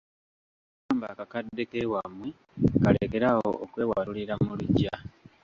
Gamba akakadde k’ewammwe kalekere awo okwewalulira mu luggya.